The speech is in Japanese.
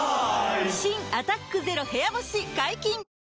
新「アタックＺＥＲＯ部屋干し」解禁‼